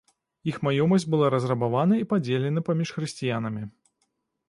Іх маёмасць была разрабавана і падзелена паміж хрысціянамі.